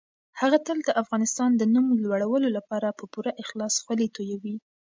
هغه تل د افغانستان د نوم لوړولو لپاره په پوره اخلاص خولې تويوي.